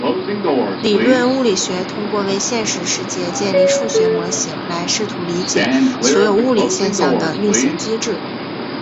理论物理学通过为现实世界建立数学模型来试图理解所有物理现象的运行机制。